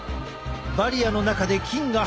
バリアの中で菌が繁殖。